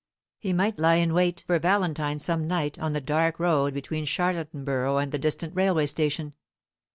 He might lie in wait for Valentine some night on the dark road between Charlottenburgh and the distant railway station.